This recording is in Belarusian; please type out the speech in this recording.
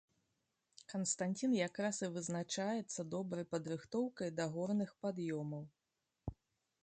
Канстанцін якраз і вызначаецца добрай падрыхтоўкай да горных пад'ёмаў.